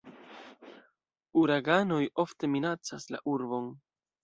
Uraganoj ofte minacas la urbon.